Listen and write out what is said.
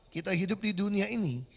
kita hidup di dunia ini